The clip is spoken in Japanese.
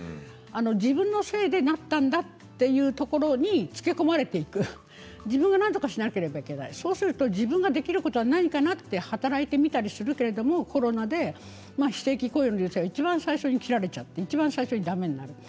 自分のせいでなったというところにつけ込まれていく自分がなんとかしなければいけないそうすると自分ができることは何かなと働いてみたりするけれどコロナで非正規雇用の人がいちばん最初に切られていちばん最初にだめになる。